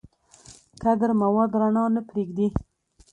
کدر مواد رڼا نه پرېږدي.